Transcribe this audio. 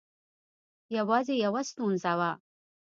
یوازې یوه ستونزه وه.